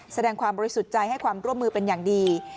แสดงความบริสุทธิ์ใจให้ความร่วมมือเป็นอย่างดี